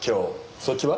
そっちは？